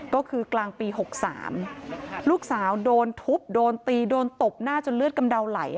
ก็คือกลางปี๖๓ลูกสาวโดนทุบโดนตีโดนตบหน้าจนเลือดกำเดาไหล